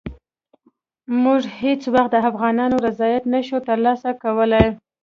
موږ هېڅ وخت د افغانانو رضایت نه شو ترلاسه کولای.